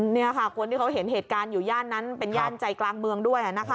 นี่ค่ะคนที่เขาเห็นเหตุการณ์อยู่ย่านนั้นเป็นย่านใจกลางเมืองด้วยนะคะ